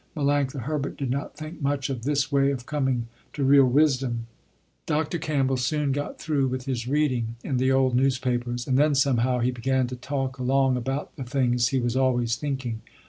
Melanctha Herbert did not think much of this way of coming to real wisdom. Dr. Campbell soon got through with his reading, in the old newspapers, and then somehow he began to talk along about the things he was always thinking.